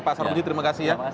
pak sarbudi terima kasih ya